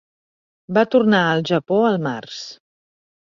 Va tornar al Japó al març.